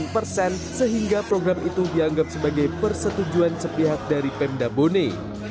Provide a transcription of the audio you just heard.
enam sembilan persen sehingga program itu dianggap sebagai persetujuan sepihak dari pem dabone